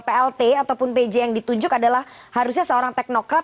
plt ataupun pj yang ditunjuk adalah harusnya seorang teknokrat